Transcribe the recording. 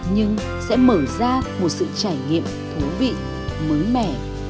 nhưng sẽ mở ra một sự trải nghiệm thú vị mới mẻ